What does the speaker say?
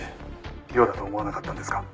「妙だと思わなかったんですか？」